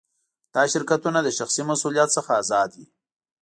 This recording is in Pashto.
دا شرکتونه له شخصي مسوولیت څخه آزاد وي.